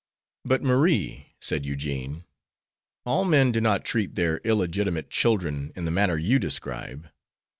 "But, Marie," said Eugene, "all men do not treat their illegitimate children in the manner you describe.